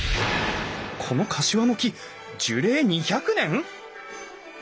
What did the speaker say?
このカシワの木樹齢２００年！？